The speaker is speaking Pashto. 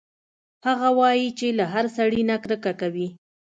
هغه وايي چې له هر سړي نه کرکه کوي